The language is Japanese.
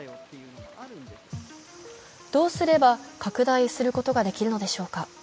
どうすれば拡大することができるのでしょうか。